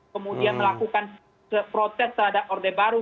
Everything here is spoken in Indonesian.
kemudian melakukan protes terhadap orde baru